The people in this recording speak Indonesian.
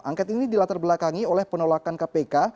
angket ini dilatar belakangi oleh penolakan kpk